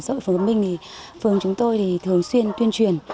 xã hội phương hợp minh thì phường chúng tôi thì thường xuyên tuyên truyền